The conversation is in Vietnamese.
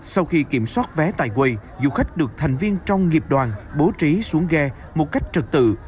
sau khi kiểm soát vé tại quầy du khách được thành viên trong nghiệp đoàn bố trí xuống ghe một cách trực tự